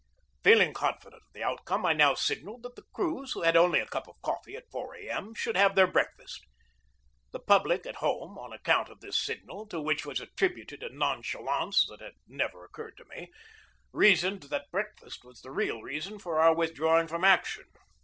Feeling confident of the outcome, I now signalled that the crews, who had had only a cup of coffee at 4 A. M., should have their breakfast. The public at home, on account of this signal, to which was attrib uted a nonchalance that had never occurred to me, reasoned that breakfast was the real reason for our withdrawing from action.